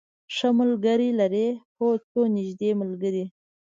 ښه ملګری لرئ؟ هو، څو نږدې ملګری